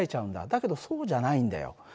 だけどそうじゃないんだよ。